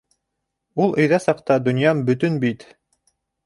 Ул өйҙә саҡта донъям бөтөн бит.